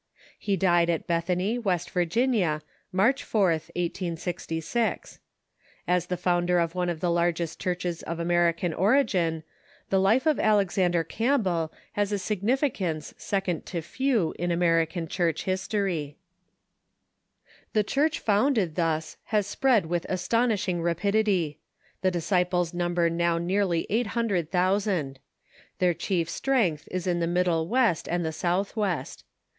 He died at Bethany, West Virginia, March 4th, 1866. As the founder of one of the largest churches of American origin, 560 THE CHUKCH IN THE UNITED STATES the life of Alexandei* Campbell has a significance second to few in American Church history. The Church founded thus has spread with astonishing rapid ity. The Disciples number now nearly eight hundred thousand. Their chief strength is in the Middle West and the ^"Sf'chMst" Southwest.